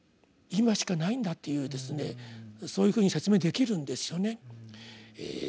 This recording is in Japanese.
今しかないんだというそういうふうに説明できるんですよね。